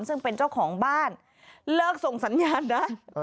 ซึ่งเป็นเจ้าของบ้านเลิกส่งสัญญาณได้